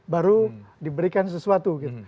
baru diberikan sesuatu gitu